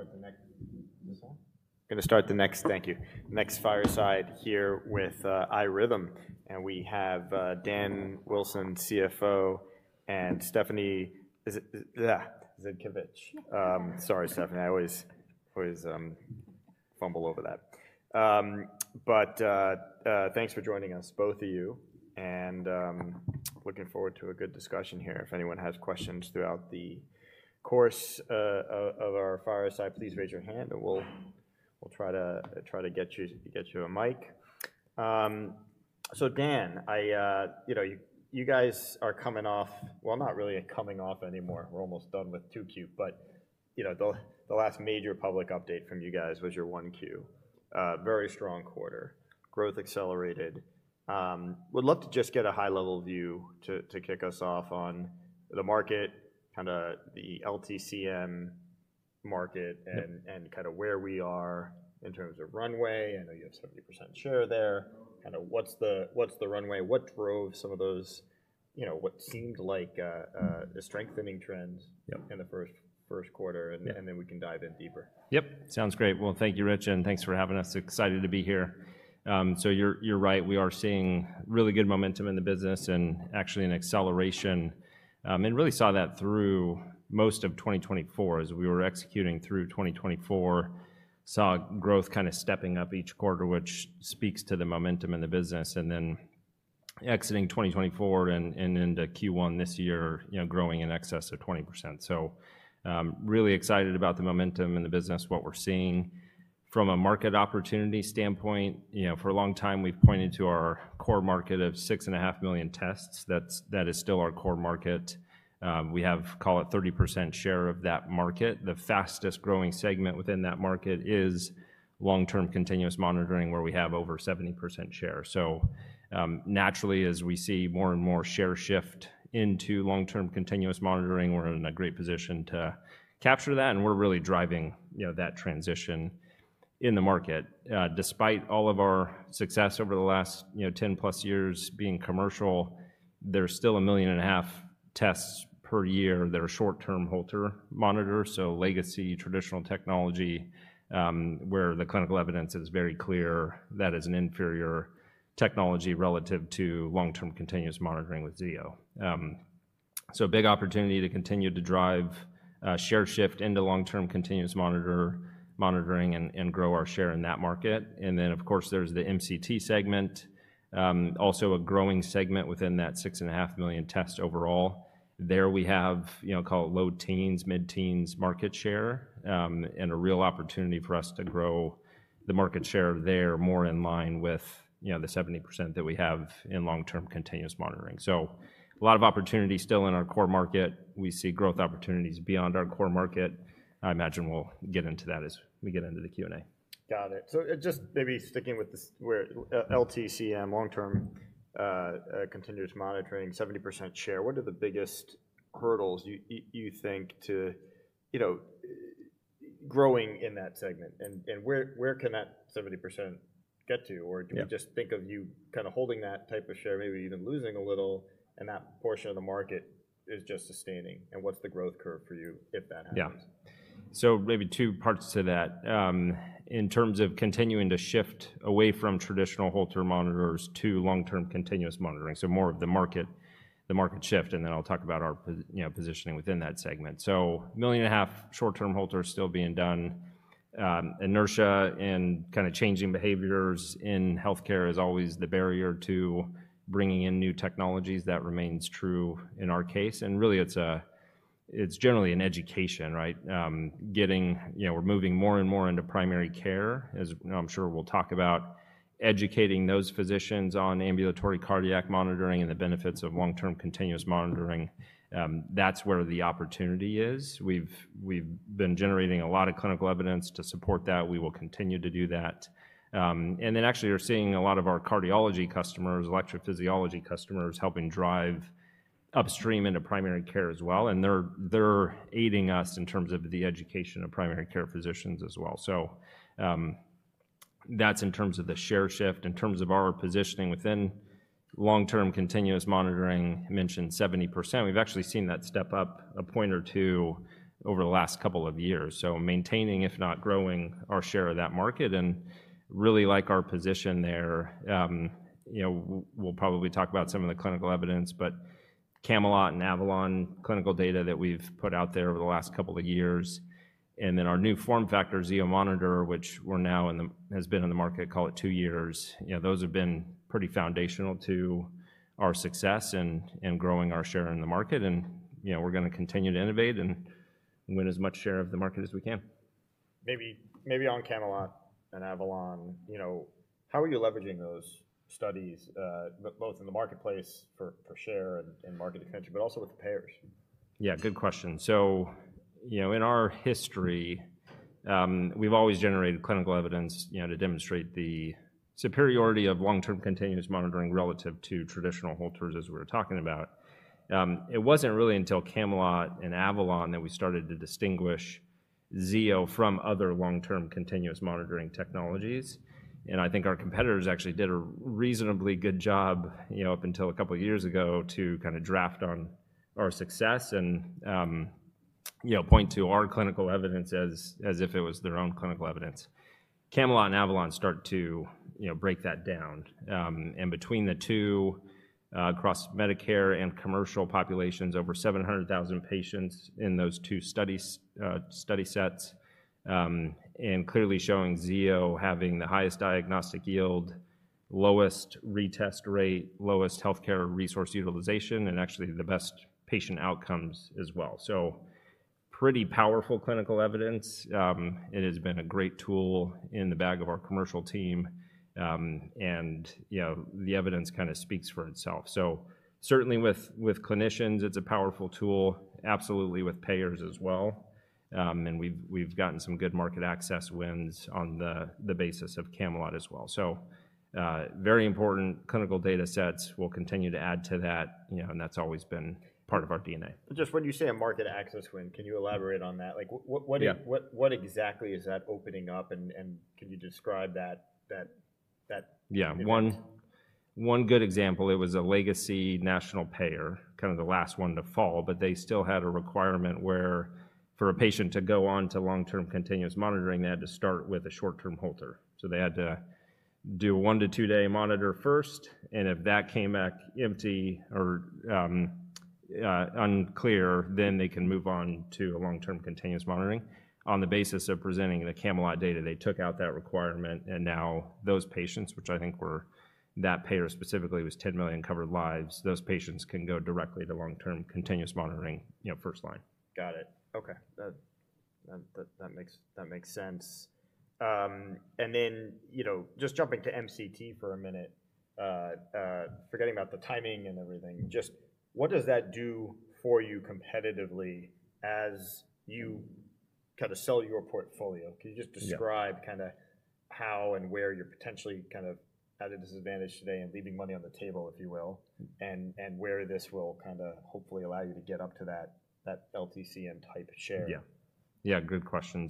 Thank you. Okay. We're going to start the next—this one? We're going to start the next, thank you. Next fireside here with iRhythm. And we have Dan Wilson, CFO, and Stephanie Zhadkevich. Sorry, Stephanie, I always fumble over that. But thanks for joining us, both of you. Looking forward to a good discussion here. If anyone has questions throughout the course of our fireside, please raise your hand, and we'll try to get you a mic. Dan, you guys are coming off—not really coming off anymore. We're almost done with 2Q. The last major public update from you guys was your 1Q. Very strong quarter. Growth accelerated. Would love to just get a high-level view to kick us off on the market, kind of the LTCM market, and kind of where we are in terms of runway. I know you have 70% share there. Kind of what's the runway? What drove some of those—what seemed like a strengthening trend in the first quarter? And then we can dive in deeper. Yep. Sounds great. Thank you, Rich, and thanks for having us. Excited to be here. You're right. We are seeing really good momentum in the business and actually an acceleration. Really saw that through most of 2024. As we were executing through 2024, saw growth kind of stepping up each quarter, which speaks to the momentum in the business. Exiting 2024 and into Q1 this year, growing in excess of 20%. Really excited about the momentum in the business, what we're seeing. From a market opportunity standpoint, for a long time we've pointed to our core market of 6.5 million tests. That is still our core market. We have—call it—30% share of that market. The fastest growing segment within that market is long-term continuous monitoring, where we have over 70% share. Naturally, as we see more and more share shift into long-term continuous monitoring, we're in a great position to capture that. We're really driving that transition in the market. Despite all of our success over the last 10-plus years being commercial, there's still 1.5 million tests per year that are short-term Holter monitors. Legacy, traditional technology, where the clinical evidence is very clear, that is an inferior technology relative to long-term continuous monitoring with Zio. Big opportunity to continue to drive share shift into long-term continuous monitoring and grow our share in that market. Of course, there's the MCT segment, also a growing segment within that 6.5 million tests overall. There we have, call it, low teens, mid-teens market share and a real opportunity for us to grow the market share there more in line with the 70% that we have in long-term continuous monitoring. A lot of opportunity still in our core market. We see growth opportunities beyond our core market. I imagine we'll get into that as we get into the Q&A. Got it. Just maybe sticking with the LTCM, long-term continuous monitoring, 70% share, what are the biggest hurdles you think to growing in that segment? Where can that 70% get to? Can we just think of you kind of holding that type of share, maybe even losing a little, and that portion of the market is just sustaining? What's the growth curve for you if that happens? Yeah. Maybe two parts to that. In terms of continuing to shift away from traditional Holter monitors to long-term continuous monitoring. More of the market shift. I'll talk about our positioning within that segment. A million and a half short-term Holter is still being done. Inertia and kind of changing behaviors in healthcare is always the barrier to bringing in new technologies. That remains true in our case. Really, it's generally an education, right? We're moving more and more into primary care, as I'm sure we'll talk about, educating those physicians on ambulatory cardiac monitoring and the benefits of long-term continuous monitoring. That's where the opportunity is. We've been generating a lot of clinical evidence to support that. We will continue to do that. Actually, we're seeing a lot of our cardiology customers, electrophysiology customers helping drive upstream into primary care as well. They're aiding us in terms of the education of primary care physicians as well. That is in terms of the share shift. In terms of our positioning within long-term continuous monitoring, I mentioned 70%. We've actually seen that step up a point or two over the last couple of years. Maintaining, if not growing, our share of that market. I really like our position there. We'll probably talk about some of the clinical evidence, but CAMELOT and AVALON clinical data that we've put out there over the last couple of years. Our new form factor, Zio Monitor, which has been in the market, call it two years, has been pretty foundational to our success and growing our share in the market. We're going to continue to innovate and win as much share of the market as we can. Maybe on CAMELOT and AVALON, how are you leveraging those studies, both in the marketplace for share and market extension, but also with the payers? Yeah, good question. In our history, we've always generated clinical evidence to demonstrate the superiority of long-term continuous monitoring relative to traditional Holters, as we were talking about. It wasn't really until CAMELOT and AVALON that we started to distinguish Zio from other long-term continuous monitoring technologies. I think our competitors actually did a reasonably good job up until a couple of years ago to kind of draft on our success and point to our clinical evidence as if it was their own clinical evidence. CAMELOT and AVALON start to break that down. Between the two, across Medicare and commercial populations, over 700,000 patients in those two study sets, and clearly showing Zio having the highest diagnostic yield, lowest retest rate, lowest healthcare resource utilization, and actually the best patient outcomes as well. Pretty powerful clinical evidence. It has been a great tool in the bag of our commercial team. The evidence kind of speaks for itself. Certainly with clinicians, it's a powerful tool, absolutely with payers as well. We've gotten some good market access wins on the basis of CAMELOT as well. Very important clinical data sets. We'll continue to add to that. That's always been part of our DNA. Just when you say a market access win, can you elaborate on that? What exactly is that opening up? Can you describe that? Yeah. One good example, it was a legacy national payer, kind of the last one to fall. They still had a requirement where for a patient to go on to long-term continuous monitoring, they had to start with a short-term Holter. They had to do a one to two-day monitor first. If that came back empty or unclear, then they can move on to a long-term continuous monitoring. On the basis of presenting the CAMELOT data, they took out that requirement. Now those patients, which I think were that payer specifically was 10 million covered lives, those patients can go directly to long-term continuous monitoring first line. Got it. Okay. That makes sense. Just jumping to MCT for a minute, forgetting about the timing and everything, just what does that do for you competitively as you kind of sell your portfolio? Can you just describe kind of how and where you're potentially kind of at a disadvantage today and leaving money on the table, if you will, and where this will kind of hopefully allow you to get up to that LTCM type share? Yeah. Yeah, good question.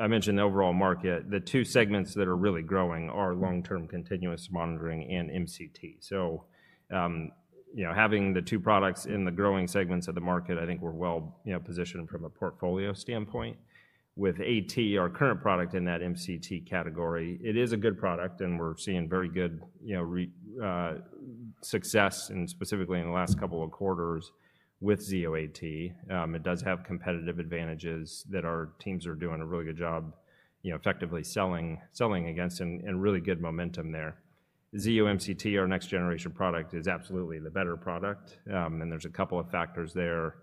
I mentioned the overall market. The two segments that are really growing are long-term continuous monitoring and MCT. Having the two products in the growing segments of the market, I think we're well positioned from a portfolio standpoint. With AT, our current product in that MCT category, it is a good product. We're seeing very good success, and specifically in the last couple of quarters with Zio AT. It does have competitive advantages that our teams are doing a really good job effectively selling against and really good momentum there. Zio MCT, our next generation product, is absolutely the better product. There's a couple of factors there.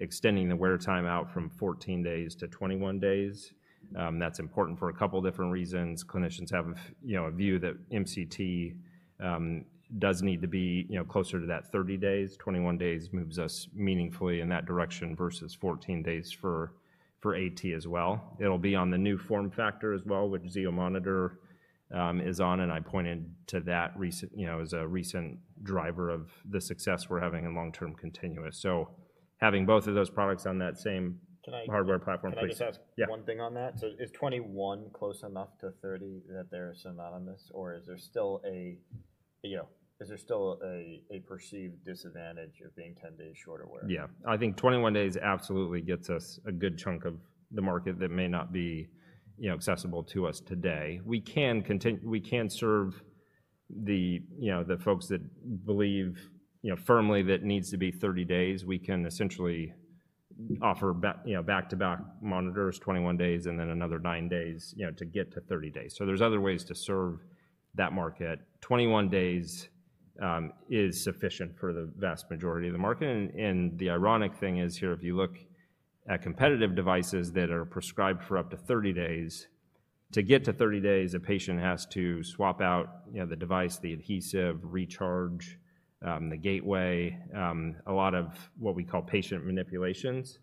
Extending the wear time out from 14 days to 21 days, that's important for a couple of different reasons. Clinicians have a view that MCT does need to be closer to that 30 days. Twenty-one days moves us meaningfully in that direction versus 14 days for AT as well. It will be on the new form factor as well, which Zio Monitor is on. I pointed to that as a recent driver of the success we are having in long-term continuous. Having both of those products on that same hardware platform. Can I just ask one thing on that? Is 21 close enough to 30 that they're synonymous? Or is there still a—is there still a perceived disadvantage of being 10 days shorter wear? Yeah. I think 21 days absolutely gets us a good chunk of the market that may not be accessible to us today. We can serve the folks that believe firmly that it needs to be 30 days. We can essentially offer back-to-back monitors: 21 days and then another 9 days to get to 30 days. There are other ways to serve that market. 21 days is sufficient for the vast majority of the market. The ironic thing is here, if you look at competitive devices that are prescribed for up to 30 days, to get to 30 days, a patient has to swap out the device, the adhesive, recharge, the gateway, a lot of what we call patient manipulations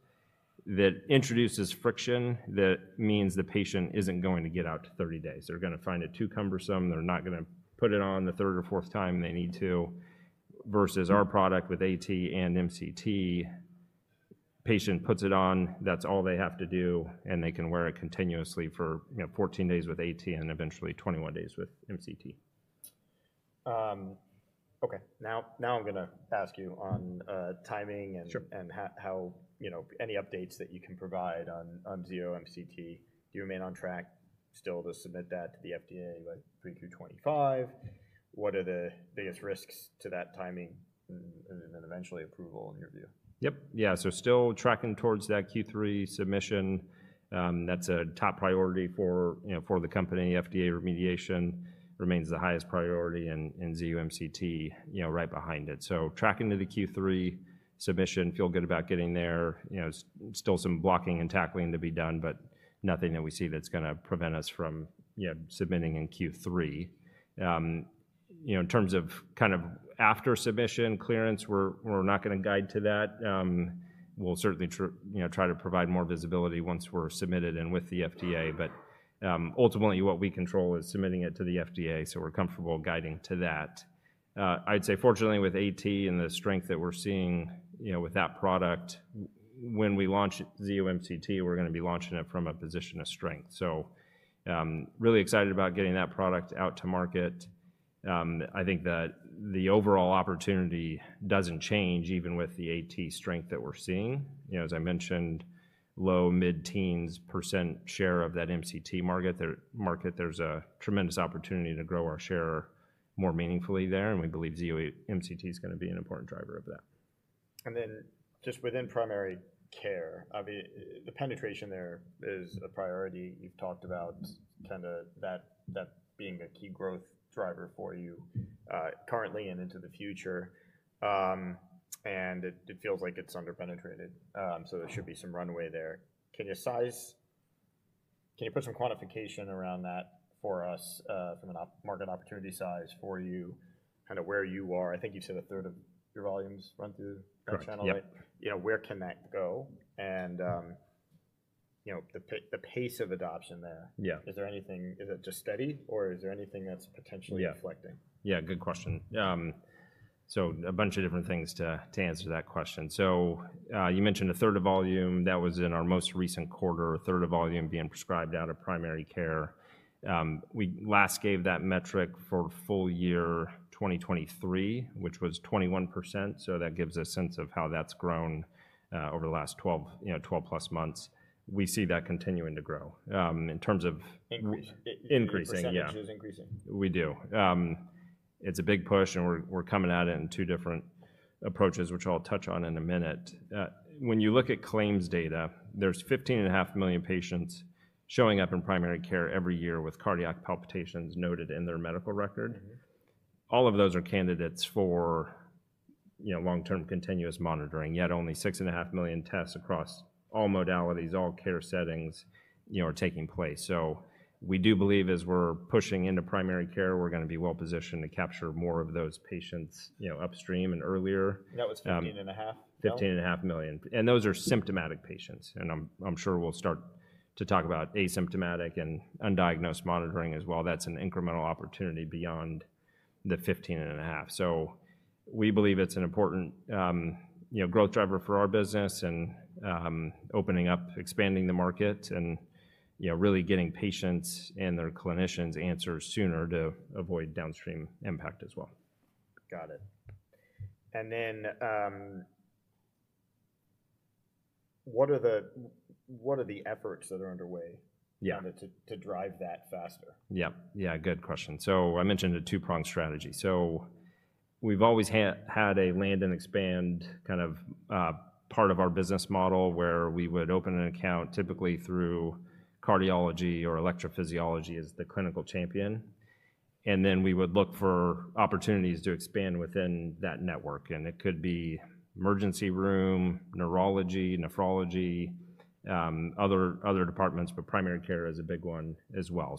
that introduces friction. That means the patient is not going to get out to 30 days. They are going to find it too cumbersome. They're not going to put it on the third or fourth time they need to. Versus our product with AT and MCT, patient puts it on, that's all they have to do, and they can wear it continuously for 14 days with AT and eventually 21 days with MCT. Okay. Now I'm going to ask you on timing and how any updates that you can provide on Zio MCT. Do you remain on track still to submit that to the FDA by Q 2025? What are the biggest risks to that timing and then eventually approval in your view? Yep. Yeah. Still tracking towards that Q3 submission. That's a top priority for the company. FDA remediation remains the highest priority and Zio MCT right behind it. Tracking to the Q3 submission, feel good about getting there. Still some blocking and tackling to be done, but nothing that we see that's going to prevent us from submitting in Q3. In terms of kind of after submission clearance, we're not going to guide to that. We'll certainly try to provide more visibility once we're submitted and with the FDA. Ultimately, what we control is submitting it to the FDA. We're comfortable guiding to that. I'd say fortunately with AT and the strength that we're seeing with that product, when we launch Zio MCT, we're going to be launching it from a position of strength. Really excited about getting that product out to market. I think that the overall opportunity doesn't change even with the AT strength that we're seeing. As I mentioned, low, mid-teens percent share of that MCT market. There's a tremendous opportunity to grow our share more meaningfully there. We believe Zio MCT is going to be an important driver of that. Just within primary care, the penetration there is a priority. You've talked about kind of that being a key growth driver for you currently and into the future. It feels like it's under-penetrated, so there should be some runway there. Can you put some quantification around that for us from a market opportunity size for you, kind of where you are? I think you said a third of your volumes run through that channel. Where can that go? The pace of adoption there, is it just steady, or is there anything that's potentially deflecting? Yeah. Yeah, good question. A bunch of different things to answer that question. You mentioned a third of volume. That was in our most recent quarter, a third of volume being prescribed out of primary care. We last gave that metric for full year 2023, which was 21%. That gives a sense of how that's grown over the last 12+ months. We see that continuing to grow. In terms of increasing. Your percentage is increasing. We do. It's a big push. We're coming at it in two different approaches, which I'll touch on in a minute. When you look at claims data, there's 15.5 million patients showing up in primary care every year with cardiac palpitations noted in their medical record. All of those are candidates for long-term continuous monitoring. Yet only 6.5 million tests across all modalities, all care settings are taking place. We do believe as we're pushing into primary care, we're going to be well positioned to capture more of those patients upstream and earlier. That was 15.5? Fifteen and a half million. And those are symptomatic patients. I'm sure we'll start to talk about asymptomatic and undiagnosed monitoring as well. That's an incremental opportunity beyond the 15.5. We believe it's an important growth driver for our business and opening up, expanding the market, and really getting patients and their clinicians answers sooner to avoid downstream impact as well. Got it. What are the efforts that are underway to drive that faster? Yeah. Yeah, good question. I mentioned a two-pronged strategy. We've always had a land and expand kind of part of our business model where we would open an account typically through cardiology or electrophysiology as the clinical champion. We would look for opportunities to expand within that network. It could be emergency room, neurology, nephrology, other departments. Primary care is a big one as well.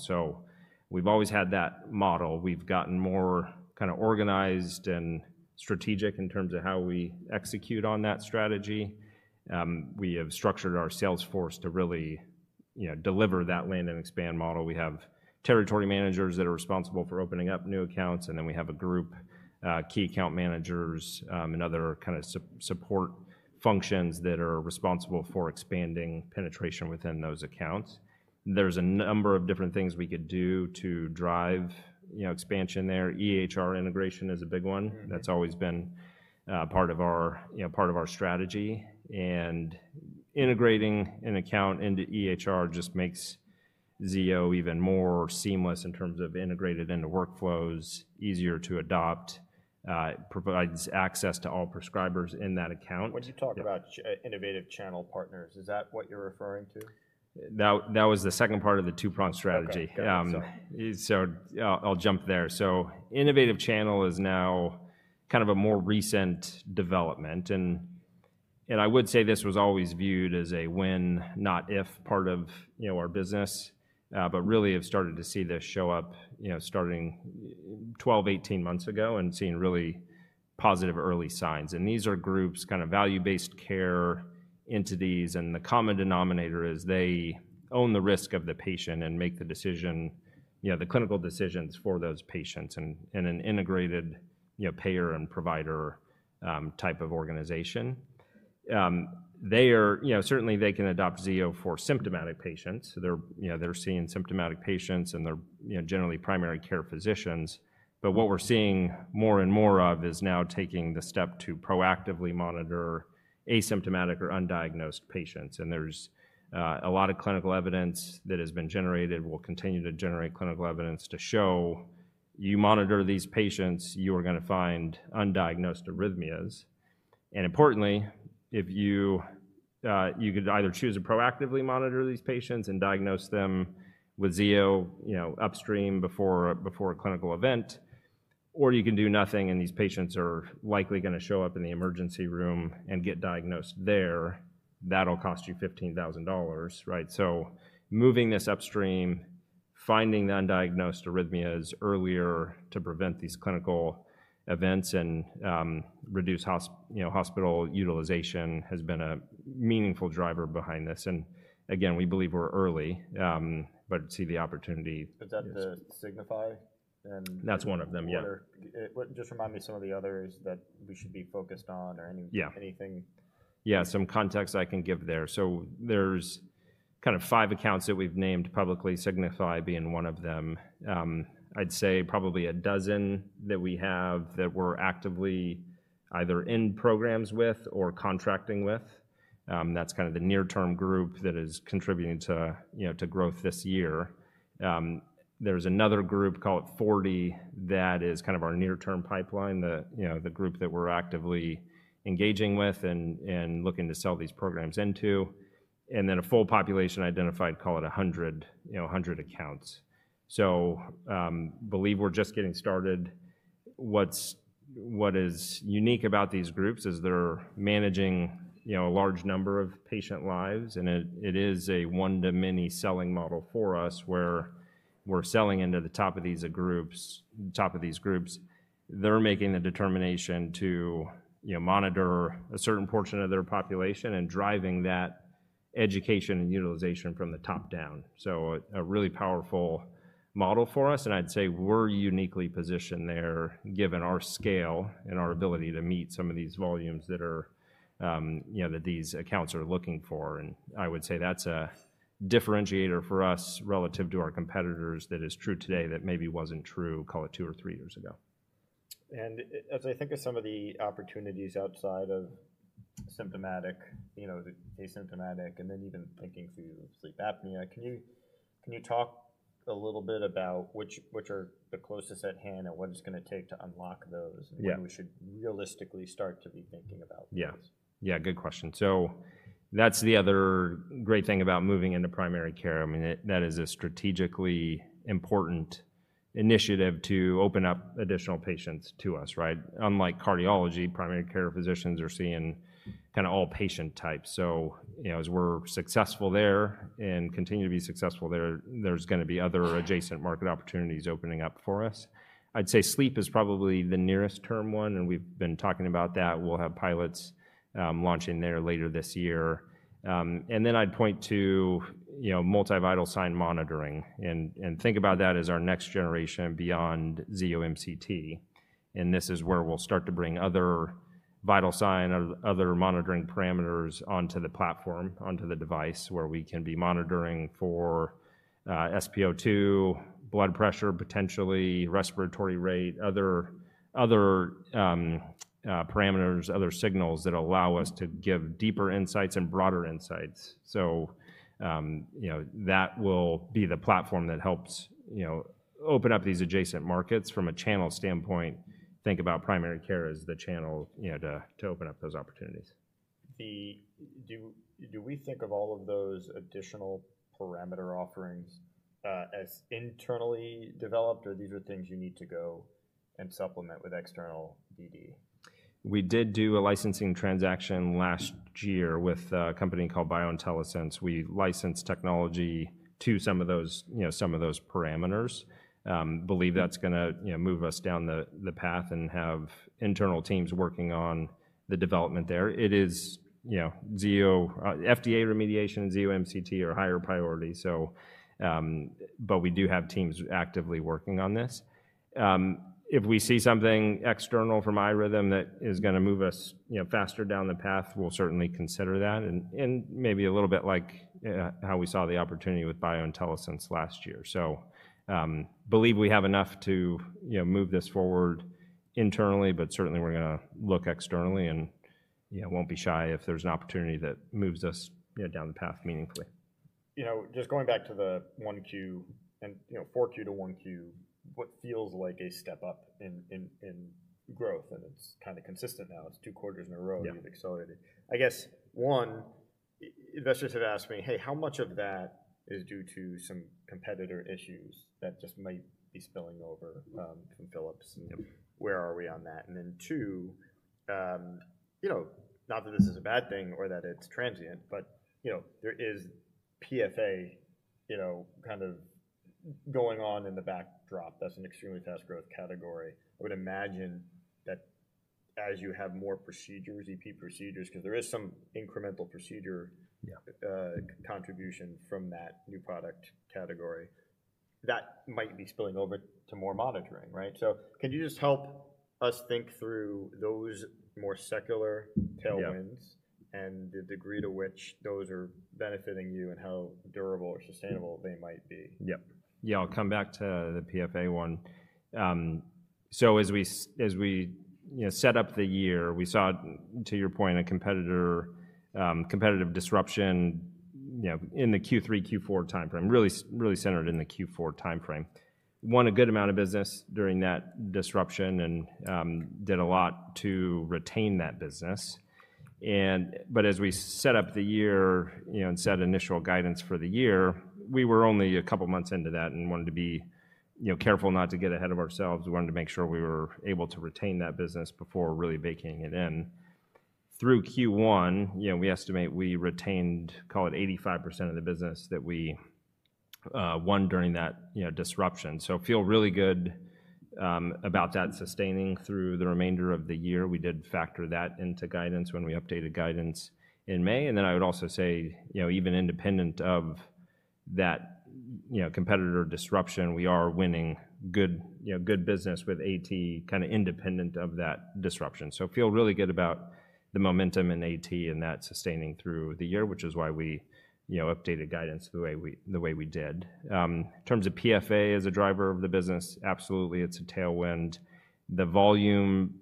We've always had that model. We've gotten more kind of organized and strategic in terms of how we execute on that strategy. We have structured our sales force to really deliver that land and expand model. We have territory managers that are responsible for opening up new accounts. We have a group, key account managers and other kind of support functions that are responsible for expanding penetration within those accounts. There's a number of different things we could do to drive expansion there. EHR integration is a big one. That's always been part of our strategy. Integrating an account into EHR just makes Zio even more seamless in terms of integrated into workflows, easier to adopt, provides access to all prescribers in that account. When you talk about innovative channel partners, is that what you're referring to? That was the second part of the two-pronged strategy. I'll jump there. Innovative channel is now kind of a more recent development. I would say this was always viewed as a when, not if part of our business. Really have started to see this show up starting 12-18 months ago and seeing really positive early signs. These are groups, kind of value-based care entities. The common denominator is they own the risk of the patient and make the clinical decisions for those patients in an integrated payer and provider type of organization. Certainly, they can adopt Zio for symptomatic patients. They're seeing symptomatic patients and they're generally primary care physicians. What we're seeing more and more of is now taking the step to proactively monitor asymptomatic or undiagnosed patients. There's a lot of clinical evidence that has been generated. We'll continue to generate clinical evidence to show you monitor these patients, you are going to find undiagnosed arrhythmias. Importantly, you could either choose to proactively monitor these patients and diagnose them with Zio upstream before a clinical event, or you can do nothing and these patients are likely going to show up in the emergency room and get diagnosed there. That'll cost you $15,000. Right? Moving this upstream, finding the undiagnosed arrhythmias earlier to prevent these clinical events and reduce hospital utilization has been a meaningful driver behind this. Again, we believe we're early, but see the opportunity. Is that the Signify? That's one of them, yeah. Just remind me some of the others that we should be focused on or anything. Yeah. Yeah, some context I can give there. So there's kind of five accounts that we've named publicly, Signify being one of them. I'd say probably a dozen that we have that we're actively either in programs with or contracting with. That's kind of the near-term group that is contributing to growth this year. There's another group, call it 40, that is kind of our near-term pipeline, the group that we're actively engaging with and looking to sell these programs into. And then a full population identified, call it 100 accounts. I believe we're just getting started. What is unique about these groups is they're managing a large number of patient lives. It is a one-to-many selling model for us where we're selling into the top of these groups. They're making the determination to monitor a certain portion of their population and driving that education and utilization from the top down. A really powerful model for us. I'd say we're uniquely positioned there given our scale and our ability to meet some of these volumes that these accounts are looking for. I would say that's a differentiator for us relative to our competitors that is true today that maybe wasn't true, call it two or three years ago. As I think of some of the opportunities outside of asymptomatic and then even thinking through sleep apnea, can you talk a little bit about which are the closest at hand and what it's going to take to unlock those? Who should realistically start to be thinking about those? Yeah. Yeah, good question. That is the other great thing about moving into primary care. I mean, that is a strategically important initiative to open up additional patients to us, right? Unlike cardiology, primary care physicians are seeing kind of all patient types. As we're successful there and continue to be successful there, there's going to be other adjacent market opportunities opening up for us. I'd say sleep is probably the nearest term one. We've been talking about that. We'll have pilots launching there later this year. I'd point to multivital sign monitoring and think about that as our next generation beyond Zio MCT. This is where we'll start to bring other vital sign, other monitoring parameters onto the platform, onto the device where we can be monitoring for SpO2, blood pressure, potentially respiratory rate, other parameters, other signals that allow us to give deeper insights and broader insights. That will be the platform that helps open up these adjacent markets from a channel standpoint. Think about primary care as the channel to open up those opportunities. Do we think of all of those additional parameter offerings as internally developed? Or these are things you need to go and supplement with external DD? We did do a licensing transaction last year with a company called BioIntelliSense. We licensed technology to some of those parameters. I believe that's going to move us down the path and have internal teams working on the development there. FDA remediation and Zio MCT are higher priority. We do have teams actively working on this. If we see something external from iRhythm that is going to move us faster down the path, we'll certainly consider that. Maybe a little bit like how we saw the opportunity with BioIntelliSense last year. I believe we have enough to move this forward internally. Certainly, we're going to look externally and won't be shy if there's an opportunity that moves us down the path meaningfully. Just going back to the 1Q and 4Q to 1Q, what feels like a step up in growth? It is kind of consistent now. It is two quarters in a row. You have accelerated. I guess, one, investors have asked me, "Hey, how much of that is due to some competitor issues that just might be spilling over from Philips? And where are we on that?" Two, not that this is a bad thing or that it is transient. There is PFA kind of going on in the backdrop. That is an extremely fast growth category. I would imagine that as you have more EP procedures, because there is some incremental procedure contribution from that new product category, that might be spilling over to more monitoring, right? Can you just help us think through those more secular tailwinds and the degree to which those are benefiting you and how durable or sustainable they might be? Yeah. Yeah, I'll come back to the PFA one. As we set up the year, we saw, to your point, a competitive disruption in the Q3, Q4 timeframe, really centered in the Q4 timeframe. We won a good amount of business during that disruption and did a lot to retain that business. As we set up the year and set initial guidance for the year, we were only a couple of months into that and wanted to be careful not to get ahead of ourselves. We wanted to make sure we were able to retain that business before really baking it in. Through Q1, we estimate we retained, call it 85% of the business that we won during that disruption. I feel really good about that sustaining through the remainder of the year. We did factor that into guidance when we updated guidance in May. I would also say, even independent of that competitor disruption, we are winning good business with AT kind of independent of that disruption. I feel really good about the momentum in AT and that sustaining through the year, which is why we updated guidance the way we did. In terms of PFA as a driver of the business, absolutely, it is a tailwind. The volume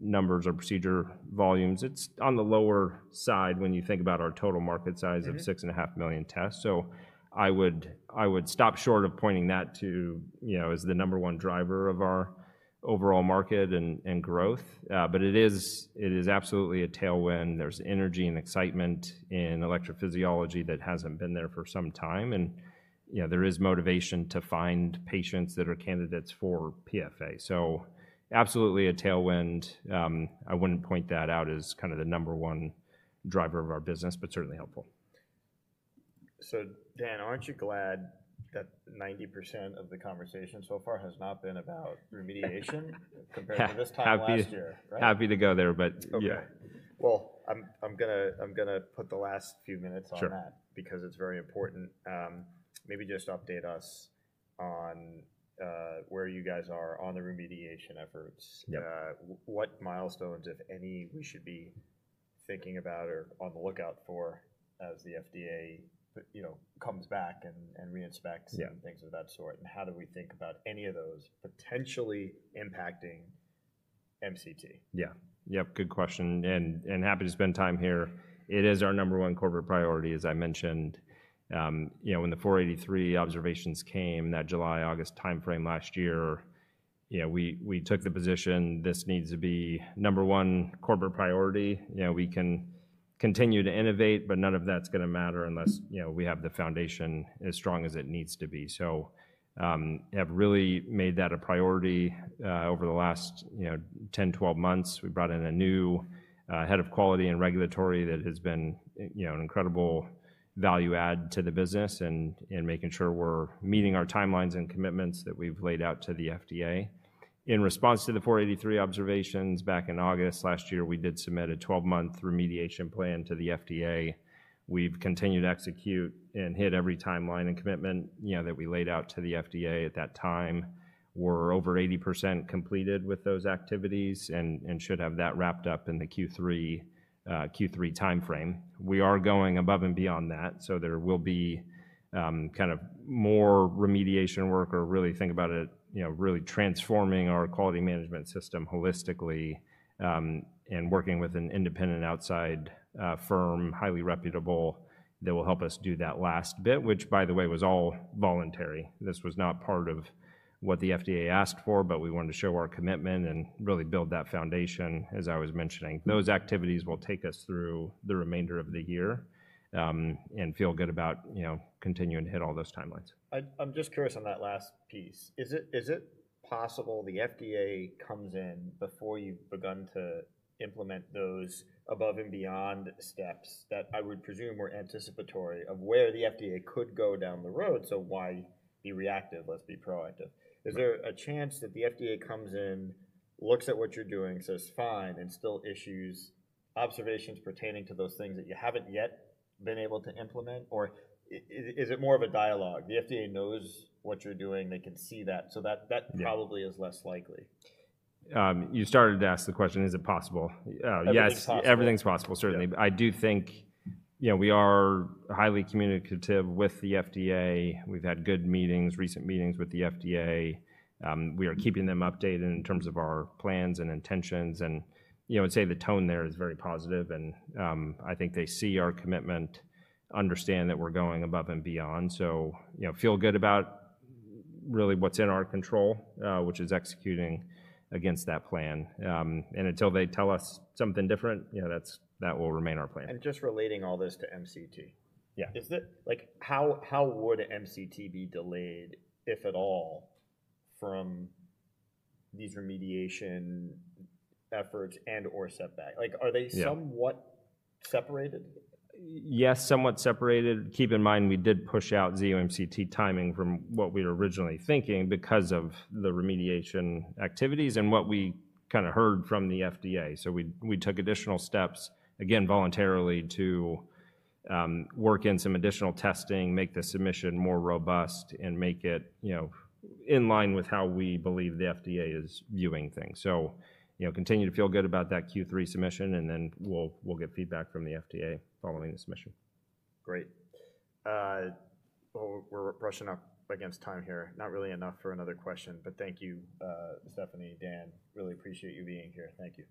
numbers or procedure volumes, it is on the lower side when you think about our total market size of 6.5 million tests. I would stop short of pointing that to as the number one driver of our overall market and growth. It is absolutely a tailwind. There is energy and excitement in electrophysiology that has not been there for some time. There is motivation to find patients that are candidates for PFA. Absolutely a tailwind. I wouldn't point that out as kind of the number one driver of our business, but certainly helpful. Dan, aren't you glad that 90% of the conversation so far has not been about remediation compared to this time last year, right? Happy to go there, but yeah. Okay. I'm going to put the last few minutes on that because it's very important. Maybe just update us on where you guys are on the remediation efforts. What milestones, if any, we should be thinking about or on the lookout for as the FDA comes back and reinspects and things of that sort? How do we think about any of those potentially impacting MCT? Yeah. Yep, good question. Happy to spend time here. It is our number one corporate priority, as I mentioned. When the 483 observations came in that July-August timeframe last year, we took the position this needs to be number one corporate priority. We can continue to innovate, but none of that's going to matter unless we have the foundation as strong as it needs to be. I have really made that a priority over the last 10, 12 months. We brought in a new head of quality and regulatory that has been an incredible value add to the business and making sure we're meeting our timelines and commitments that we've laid out to the FDA. In response to the 483 observations back in August last year, we did submit a 12-month remediation plan to the FDA. We've continued to execute and hit every timeline and commitment that we laid out to the FDA at that time. We're over 80% completed with those activities and should have that wrapped up in the Q3 timeframe. We are going above and beyond that. There will be kind of more remediation work or really, think about it, really transforming our quality management system holistically and working with an independent outside firm, highly reputable, that will help us do that last bit, which, by the way, was all voluntary. This was not part of what the FDA asked for, but we wanted to show our commitment and really build that foundation, as I was mentioning. Those activities will take us through the remainder of the year and feel good about continuing to hit all those timelines. I'm just curious on that last piece. Is it possible the FDA comes in before you've begun to implement those above and beyond steps that I would presume were anticipatory of where the FDA could go down the road? Why be reactive? Let's be proactive. Is there a chance that the FDA comes in, looks at what you're doing, says, "Fine," and still issues observations pertaining to those things that you haven't yet been able to implement? Or is it more of a dialogue? The FDA knows what you're doing. They can see that. That probably is less likely. You started to ask the question, "Is it possible?" Yes, everything's possible, certainly. I do think we are highly communicative with the FDA. We've had good meetings, recent meetings with the FDA. We are keeping them updated in terms of our plans and intentions. I'd say the tone there is very positive. I think they see our commitment, understand that we're going above and beyond. I feel good about really what's in our control, which is executing against that plan. Until they tell us something different, that will remain our plan. Just relating all this to MCT. Yeah. How would MCT be delayed, if at all, from these remediation efforts and/or setback? Are they somewhat separated? Yes, somewhat separated. Keep in mind, we did push out Zio MCT timing from what we were originally thinking because of the remediation activities and what we kind of heard from the FDA. We took additional steps, again, voluntarily to work in some additional testing, make the submission more robust, and make it in line with how we believe the FDA is viewing things. Continue to feel good about that Q3 submission. We will get feedback from the FDA following this submission. Great. We're brushing up against time here. Not really enough for another question. Thank you, Stephanie, Dan. Really appreciate you being here. Thank you.